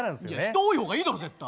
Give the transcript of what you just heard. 人多い方がいいだろ絶対。